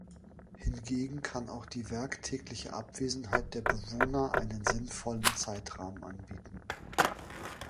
Hingegen kann auch die werktägliche Abwesenheit der Bewohner einen sinnvollen Zeitrahmen anbieten.